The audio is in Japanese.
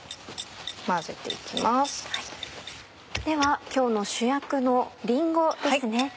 では今日の主役のりんごですね。